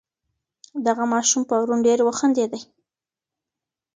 دغه ماشوم پرون ډېر وخندېدی.